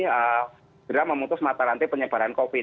benar benar memutus mata rantai penyebaran covid